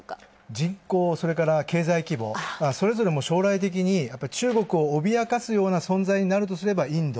人口、それから経済規模、それぞれ将来的に中国を脅かすような存在になるとすればインド。